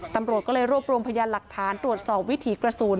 ตำรวจก็เลยรวบรวมพยานหลักฐานตรวจสอบวิถีกระสุน